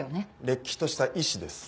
れっきとした医師です。